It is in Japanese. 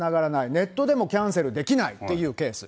ネットでもキャンセルできないっていうケース。